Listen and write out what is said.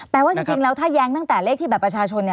แปลว่าจริงแล้วถ้าแย้งตั้งแต่เลขที่บัตรประชาชน